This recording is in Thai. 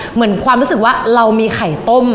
เหมือนความรู้สึกว่าเรามีไข่ต้ม